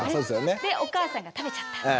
でお母さんが食べちゃった。